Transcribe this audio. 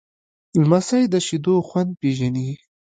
لمسی د شیدو خوند پیژني.